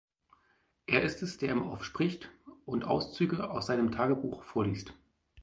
Er ist es, der im Off spricht und Auszüge aus seinem Tagebuch vorliest.